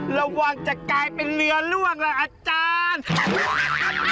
ระวังจะกลายเป็นเรือล่วงละอาจารย์